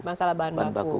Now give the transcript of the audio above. masalah bahan baku